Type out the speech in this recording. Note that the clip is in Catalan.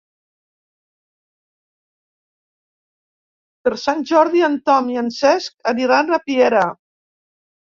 Per Sant Jordi en Tom i en Cesc aniran a Piera.